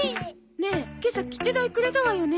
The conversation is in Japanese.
ねえ今朝切手代くれたわよね？